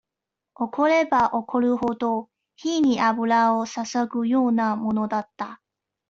怒れば怒るほど、火に油を注ぐようなものだった。